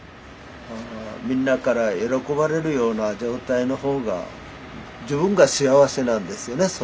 みんなから喜ばれるような状態の方が自分が幸せなんですよね